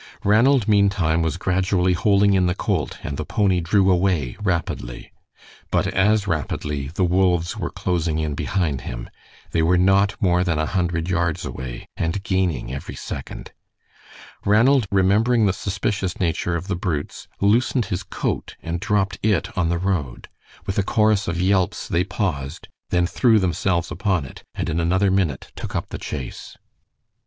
Ranald meantime was gradually holding in the colt, and the pony drew away rapidly. But as rapidly the wolves were closing in behind him. They were not more than a hundred yards away, and gaining every second. Ranald, remembering the suspicious nature of the brutes, loosened his coat and dropped it on the road; with a chorus of yelps they paused, then threw themselves upon it, and in another minute took up the chase.